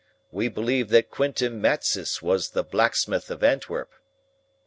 We believe that Quintin Matsys was the BLACKSMITH of Antwerp. VERB. SAP.